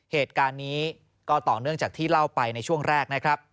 เหตุการณ์นี้ก็ต่อเนื่องจากที่เล่าไปในช่วงแรกนะครับ